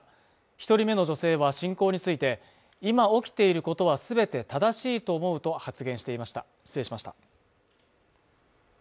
一人目の女性は侵攻について、今起きていることは全て正しいと思うと発言していました、失礼しました。